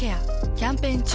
キャンペーン中。